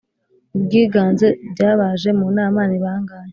ubwiganze byabaje mu nama nibangahe